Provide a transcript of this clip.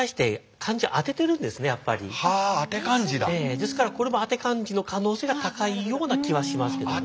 ですからこれも当て漢字の可能性が高いような気はしますけどね。